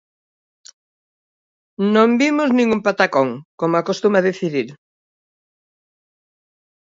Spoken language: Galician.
Non vimos nin un patacón, como acostuma a dicir el.